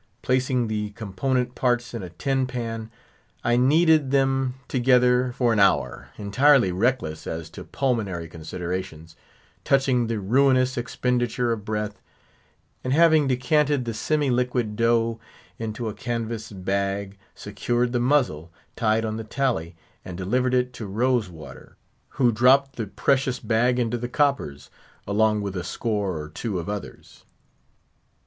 Placing the component parts in a tin pan, I kneaded them together for an hour, entirely reckless as to pulmonary considerations, touching the ruinous expenditure of breath; and having decanted the semi liquid dough into a canvas bag, secured the muzzle, tied on the tally, and delivered it to Rose water, who dropped the precious bag into the coppers, along with a score or two of others.